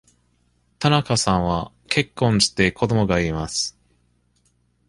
田中さんは結婚して、子供がいます。